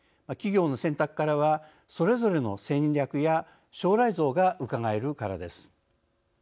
企業の選択からはそれぞれの戦略や将来像がうかがえるからです。